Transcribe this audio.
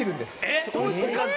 えっ！